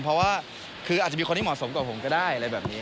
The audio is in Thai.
เพราะว่าคืออาจจะมีคนที่เหมาะสมกว่าผมก็ได้อะไรแบบนี้